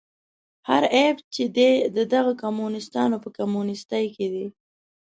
هر عیب چې دی د دغو کمونیستانو په کمونیستي کې دی.